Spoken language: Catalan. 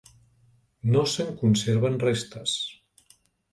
No se'n conserven restes.